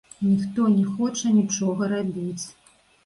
Ніхто не хоча нічога рабіць.